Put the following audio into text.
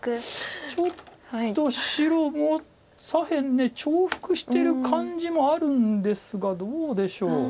ちょっと白も左辺で重複してる感じもあるんですがどうでしょう。